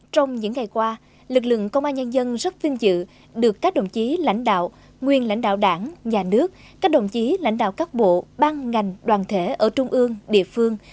trong những ngày qua lực lượng công an nhân dân rất vinh dự được các đồng chí lãnh đạo nguyên lãnh đạo đảng nhà nước các đồng chí lãnh đạo các bộ ban ngành đoàn thể ở trung ương địa phương